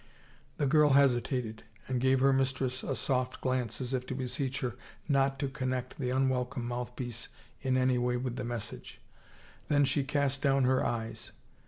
The girl hesitated, and gave her mistress a soft glance as if to beseech her not to connect the unwelcome mouth piece in any way with the message. Then she cast down her eyes.